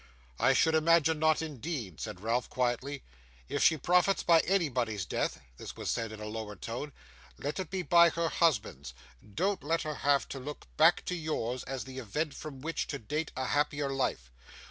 'I should imagine not, indeed!' said Ralph, quietly. 'If she profits by anybody's death,' this was said in a lower tone, 'let it be by her husband's. Don't let her have to look back to yours, as the event from which to date a happier life.